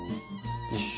よし。